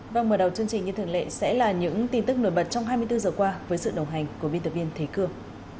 vâng mở đầu chương trình như thường lệ sẽ là những tin tức nổi bật trong hai mươi bốn giờ qua với sự đồng hành của biên tập viên thế cương